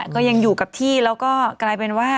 ก็ยังอยู่กับที่แล้วก็กลายเป็นว่า